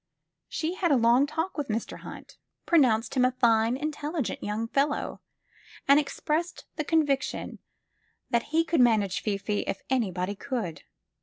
She had a long talk with Mr. Hunt, pro 207 SQUARE PEGGY nounced him a fine, intelligent young fellow, and ex pressed the conviction that he could manage Fifi if any body could.